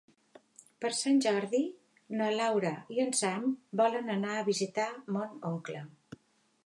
Per Sant Jordi na Laura i en Sam volen anar a visitar mon oncle.